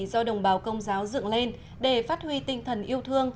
do đồng bào công giáo dựng lên để phát huy tinh thần yêu thương